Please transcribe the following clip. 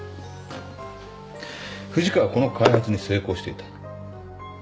藤川はこの開発に成功していた。